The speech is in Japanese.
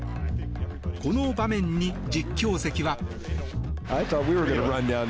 この場面に実況席は。